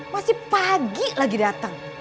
masih pagi lagi datang